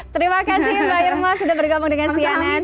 terima kasih mbak irma sudah bergabung dengan si anet